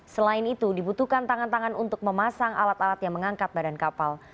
selain itu dibutuhkan tangan tangan untuk memasang alat alat yang mengangkat badan kapal